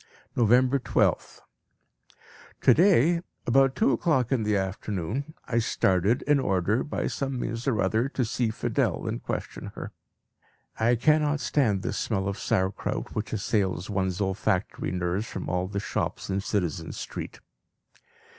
November 12th. To day about two o'clock in the afternoon I started in order, by some means or other, to see Fidel and question her. I cannot stand this smell of Sauerkraut which assails one's olfactory nerves from all the shops in Citizen Street.